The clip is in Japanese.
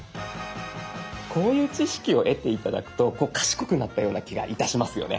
こういう知識を得て頂くと賢くなったような気がいたしますよね。